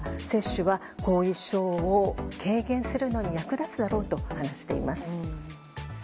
接種は後遺症を軽減するのに役立つだろうと話しています。